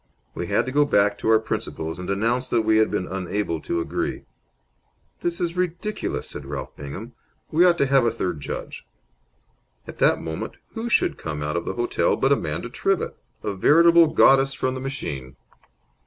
We had to go back to our principals and announce that we had been unable to agree. "This is ridiculous," said Ralph Bingham. "We ought to have had a third judge." At this moment, who should come out of the hotel but Amanda Trivett! A veritable goddess from the machine.